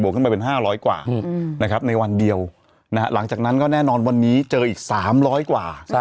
ขึ้นไป๙๐๐กว่าในวันเดียวนะหลังจากนั้นก็แน่นอนวันนี้เจออีก๓๐๐กว่า